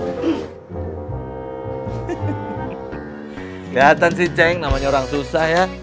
kelihatan sih ceng namanya orang susah ya